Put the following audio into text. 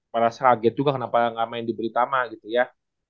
para seraget juga kenapa enggak main di britama gitu ya